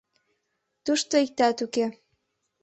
— Тушто иктат уке.